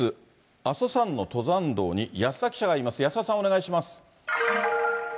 阿蘇山の登山道に安田記者がいます。